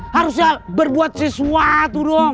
harusnya berbuat sesuatu dong